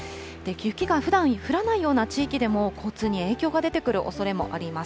雪がふだん降らないような地域でも交通に影響が出てくるおそれもあります。